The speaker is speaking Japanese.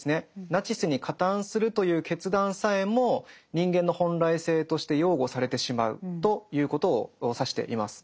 ナチスに加担するという決断さえも人間の本来性として擁護されてしまうということを指しています。